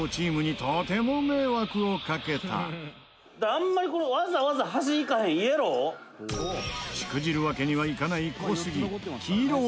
「あんまりわざわざ端行かへんイエロー」しくじるわけにはいかない小杉。